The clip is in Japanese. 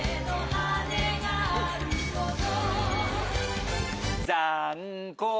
羽根があること